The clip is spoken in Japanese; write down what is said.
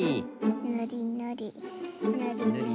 ぬりぬりぬりぬり。